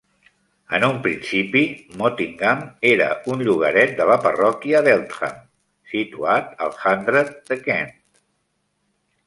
En un principi, Mottingham era un llogaret de la parròquia d'Eltham, situat al hundred de Kent.